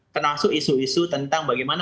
termasuk isu isu tentang bagaimana